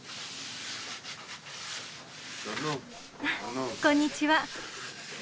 あっこんにちは。